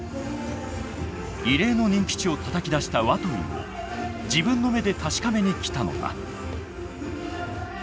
異例の人気値をたたき出したＷＡＴＷＩＮＧを自分の目で確かめに来たのだ。